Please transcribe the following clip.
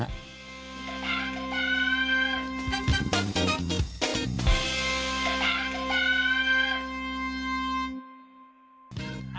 ตาตา